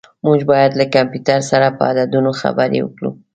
موږ باید له کمپیوټر سره په عددونو خبرې وکړو.